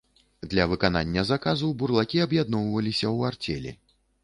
Для выканання заказу бурлакі аб'ядноўваліся ў арцелі.